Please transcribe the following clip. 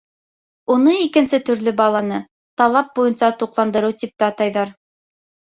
Уны икенсе төрлө баланы «талап буйынса» туҡландырыу тип тә атайҙар.